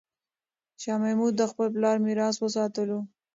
شاه محمود د خپل پلار میراث وساتلو.